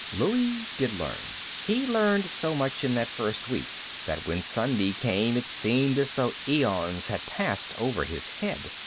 Louie did learn. He learned so much in that first week that when Sunday came it seemed as though aeons had passed over his head.